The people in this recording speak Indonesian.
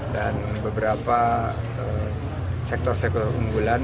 dan beberapa sektor sektor keunggulan